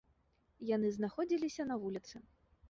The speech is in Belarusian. Яны знаходзіліся на вуліцы.